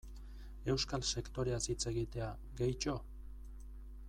Euskal sektoreaz hitz egitea, gehitxo?